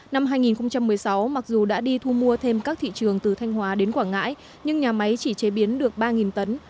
năm hai nghìn một mươi sáu mặc dù đã đi thu mua thêm các thị trường từ thanh hóa đến quảng ngãi nhưng nhà máy chỉ chế biến được ba tấn